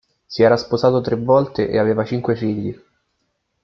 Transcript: Si era sposato tre volte e aveva cinque figli.